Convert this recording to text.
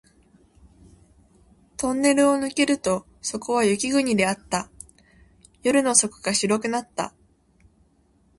トンネルを抜けるとそこは雪国であった。夜の底が白くなった